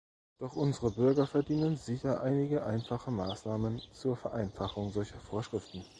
Doch unsere Bürger verdienen sicher einige einfache Maßnahmen zur Vereinfachung solcher Vorschriften.